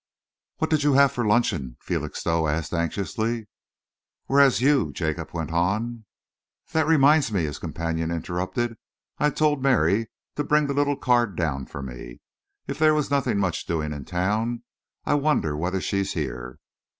"What did you have for luncheon?" Felixstowe asked anxiously. "Whereas you," Jacob went on, "That reminds me," his companion interrupted, "I told Mary to bring the little car down for me, if there was nothing much doing in town. I wonder whether she's here."